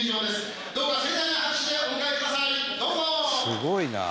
「すごいなあ」